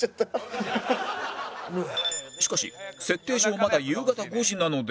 しかし設定上まだ夕方５時なので